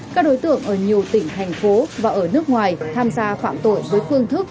các đối tượng ở nhiều tỉnh thành phố và ở nước ngoài tham gia phạm tội với phương thức